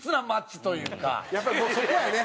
やっぱりもうそこやね。